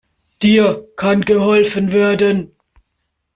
Dir kann geholfen werden.